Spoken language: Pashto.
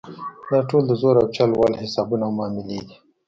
دا ټول د زور او چل ول حسابونه او معاملې دي.